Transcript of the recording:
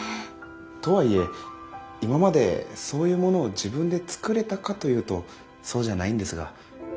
とはいえ今までそういうものを自分で作れたかというとそうじゃないんですが。